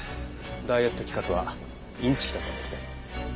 ダイエット企画はインチキだったんですね。